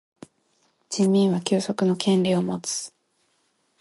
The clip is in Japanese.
人民は休息の権利をもつ。